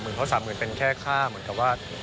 เพราะ๓๐๐๐เป็นแค่ค่าเหมือนกับว่า